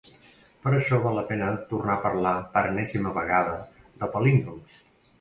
Per això val la pena tornar a parlar per enèsima vegada de palíndroms.